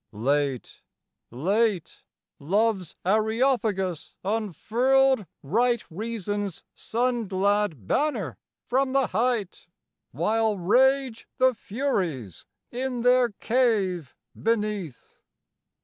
Late, late, love's Areopagus unfurled Right reason's sun glad banner from the height, While rage the Furies in their cave beneath!